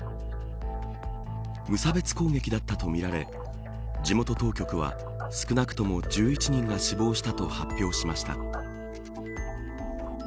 無差別攻撃だったとみられ地元当局は少なくとも１１人が死亡したと発表しました。